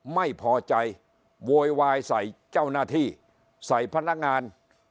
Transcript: ไม่พอใจโวยวายใส่เจ้าหน้าที่ใส่พนักงาน